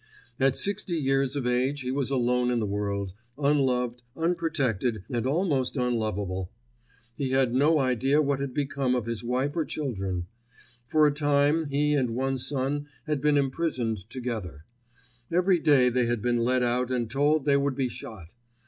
At sixty years of age he was alone in the world, unloved, unprotected and almost unloveable. He had no idea what had become of his wife or children. For a time he and one son had been imprisoned together. Every day they had been led out and told they would be shot.